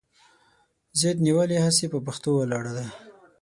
ضد نیولې هسې پهٔ پښتو ولاړه ده